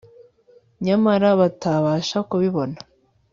nyamara batabasha kubibona